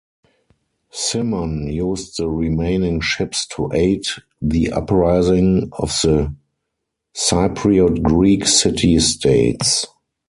Cimon used the remaining ships to aid the uprising of the Cypriot Greek city-states.